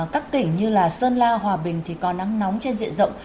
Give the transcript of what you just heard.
các tỉnh như sơn la hòa bình thì có nắng nóng trên diện rộng